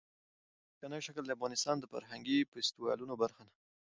ځمکنی شکل د افغانستان د فرهنګي فستیوالونو برخه ده.